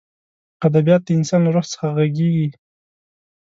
ادبیات د انسان له روح څخه غږېږي.